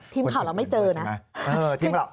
ทีมข่าวเราไม่เจอนะ